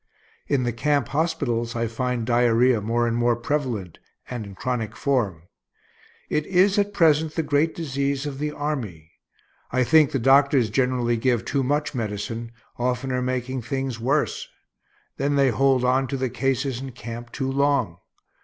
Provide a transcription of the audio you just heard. In the camp hospitals I find diarrhoea more and more prevalent, and in chronic form. It is at present the great disease of the army. I think the doctors generally give too much medicine, oftener making things worse. Then they hold on to the cases in camp too long.